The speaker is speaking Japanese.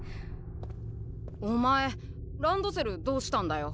お前ランドセルどうしたんだよ。